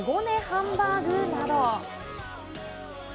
ハンバーグなど。